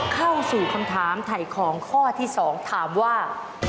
เข้าสู่คำถามไถของข้อที่สองถามว่า